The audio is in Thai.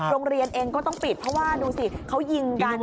โรงเรียนเองก็ต้องปิดเพราะว่าดูสิเขายิงกัน